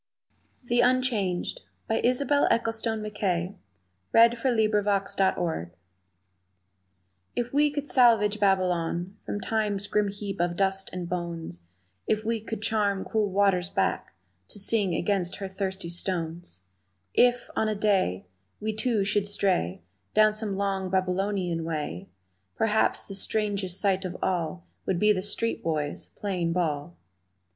ssing; When you break the spell that holds you, I am gone! The Unchanged IF we could salvage Babylon From times's grim heap of dust and bones; If we could charm cool waters back To sing against her thirsty stones; If, on a day, We two should stray Down some long, Babylonian way Perhaps the strangest sight of all Would be the street boys playing ball.